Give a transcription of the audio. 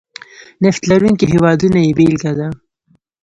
نفت لرونکي هېوادونه یې بېلګه ده.